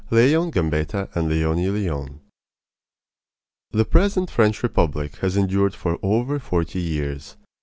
LEON GAMBETTA AND LEONIE LEON The present French Republic has endured for over forty years.